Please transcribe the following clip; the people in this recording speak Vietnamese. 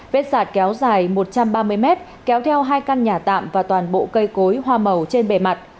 vết sạt kéo dài một trăm ba mươi mét kéo theo hai căn nhà tạm và toàn bộ cây cối hoa màu trên bề mặt